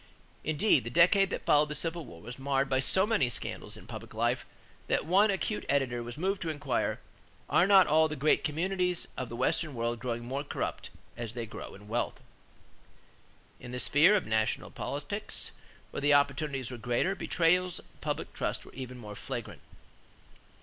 Indeed, the decade that followed the Civil War was marred by so many scandals in public life that one acute editor was moved to inquire: "Are not all the great communities of the Western World growing more corrupt as they grow in wealth?" In the sphere of national politics, where the opportunities were greater, betrayals of public trust were even more flagrant.